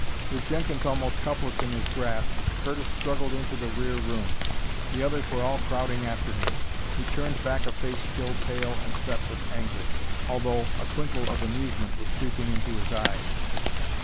With Jenkins almost helpless in his grasp, Curtis struggled into the rear room. The others were all crowding after him. He turned back a face still pale and set with anger, although a twinkle of amusement was creeping into his eyes.